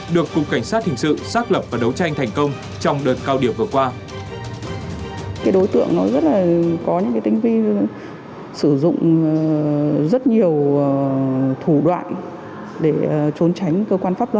được cục cảnh sát hình sự xác lập và đấu tranh thành công trong đợt cao điểm vừa qua